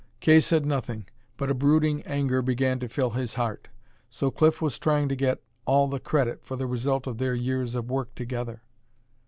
Kay said nothing, but a brooding anger began to fill his heart. So Cliff was trying to get all the credit for the result of their years of work together!